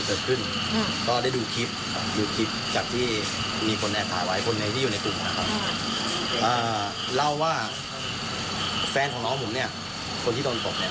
แฟนของน้องผมเนี่ยคนที่โดนตกเนี่ย